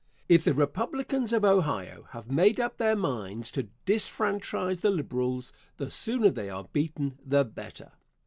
If the Republicans of Ohio have made up their minds to disfranchise the Liberals, the sooner they are beaten the better.